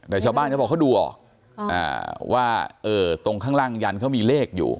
แต่ชาวบ้านเขาบอกเขาดูออกว่าตรงข้างล่างยันเขามีเลขอยู่